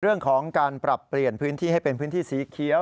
เรื่องของการปรับเปลี่ยนพื้นที่ให้เป็นพื้นที่สีเขียว